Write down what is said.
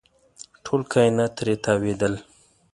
ټول کاینات ترې تاوېدل.